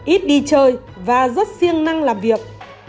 ít đi chơi và rất siêng năng làm việc